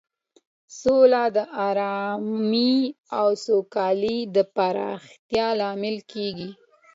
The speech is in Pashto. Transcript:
سوله د ارامۍ او سوکالۍ د پراختیا لامل کیږي.